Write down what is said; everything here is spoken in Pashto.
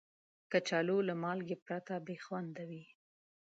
کچالو له مالګې پرته بې خوند وي